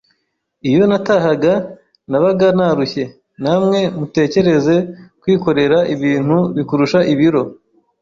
Iyo natahaga, nabaga narushye (namwe mutekereze kwikorera ibintu bikurusha ibiro,